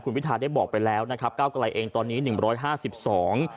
พิทาได้บอกไปแล้วนะครับก้าวกลายเองตอนนี้หนึ่งร้อยห้าสิบสอง